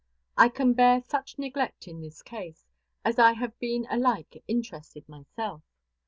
I can bear such neglect in this case, as I have been alike interested myself.